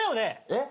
えっ？